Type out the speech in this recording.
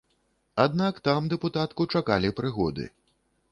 Аднак там дэпутатку чакалі прыгоды.